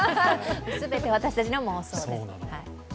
全て私たちの妄想です。